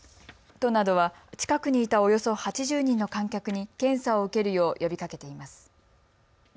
都などは近くにいたおよそ８０人の観客に検査を受けるよう呼びかけています。